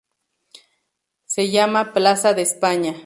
Se llama plaza de España.